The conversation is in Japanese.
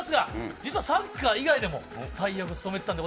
実はサッカー以外でも大役を務めていたんです。